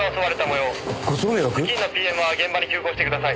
「付近のＰＭは現場に急行してください」